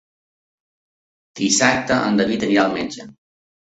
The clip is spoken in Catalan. Dissabte en David irà al metge.